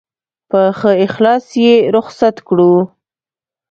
په ښه اخلاص یې رخصت کړو.